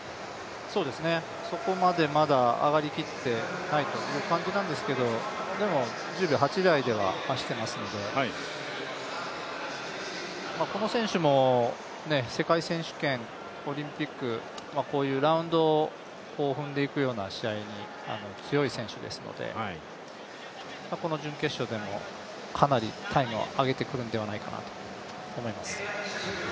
そこまでまだ上がりきっていないという感じなんですけどでも１０秒８台では走ってますのでこの選手も世界選手権、オリンピック、こういうラウンドを踏んでいくような試合に強い選手ですので、この準決勝でもかなりタイムを上げてくるんではないかと思います。